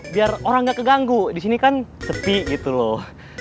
biar orang gak keganggu disini kan sepi gitu loh